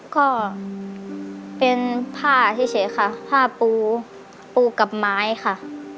ก็เป็นผ้าเฉยค่ะผ้าปูปูกับไม้ค่ะ